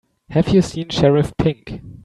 Have you seen Sheriff Pink?